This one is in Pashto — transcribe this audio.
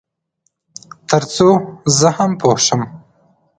تر څو زه هم پوه شم.